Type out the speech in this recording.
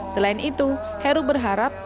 selain itu heru berharap